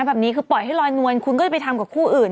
แบบนี้คือปล่อยให้ลอยนวลคุณก็จะไปทำกับคู่อื่น